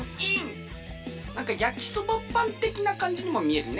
なんかやきそばパンてきなかんじにもみえるね。